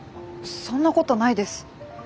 そんなことないです。